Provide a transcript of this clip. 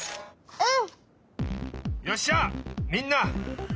うん。